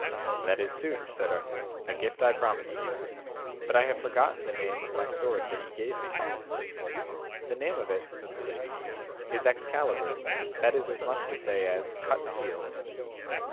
That is sooth, said Arthur, a gift I promised you, but I have forgotten the name of my sword that ye gave me. The name of it, said the lady, is Excalibur, that is as much to say as Cut steel.